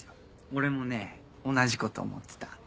俺もね同じこと思ってた。